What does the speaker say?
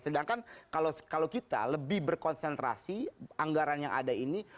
sedangkan kalau kita lebih berkonsentrasi anggaran yang ada ini